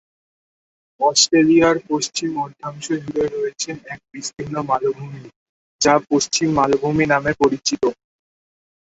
অস্ট্রেলিয়ার পশ্চিম অর্ধাংশ জুড়ে রয়েছে এক বিস্তীর্ণ মালভূমি, যা পশ্চিম মালভূমি নামে পরিচিত।